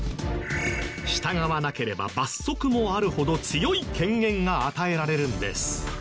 従わなければ罰則もあるほど強い権限が与えられるんです。